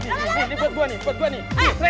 nih ini buat gue nih buat gue nih